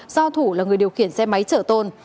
do thủ là người điều khiển xe máy chở tôn